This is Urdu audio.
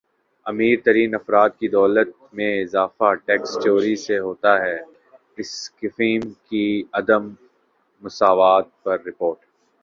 امیر ترین افراد کی دولت میں اضافہ ٹیکس چوری سے ہوتا ہےاکسفیم کی عدم مساوات پر رپورٹ